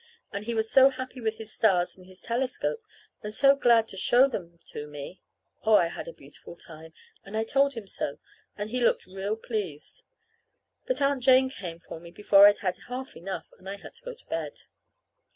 And he was so happy with his stars and his telescope, and so glad to show them to me oh, I had a beautiful time, and I told him so; and he looked real pleased. But Aunt Jane came for me before I'd had half enough, and I had to go to bed.